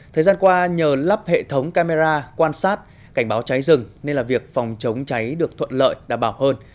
thời gian qua nhờ lắp hệ thống camera quan sát cảnh báo cháy rừng nên việc phòng chống cháy được thuận lợi đảm bảo hơn